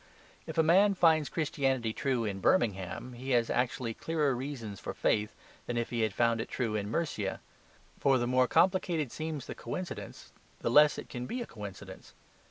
If a man finds Christianity true in Birmingham, he has actually clearer reasons for faith than if he had found it true in Mercia. For the more complicated seems the coincidence, the less it can be a coincidence.